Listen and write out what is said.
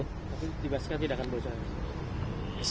tapi dibasarkan tidak akan berusaha